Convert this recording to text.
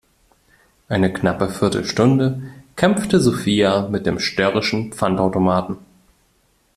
Eine knappe Viertelstunde kämpfte Sophia mit dem störrischen Pfandautomaten.